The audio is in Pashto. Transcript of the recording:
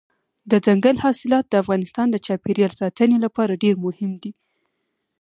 دځنګل حاصلات د افغانستان د چاپیریال ساتنې لپاره ډېر مهم دي.